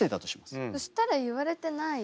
そしたら言われてないよ。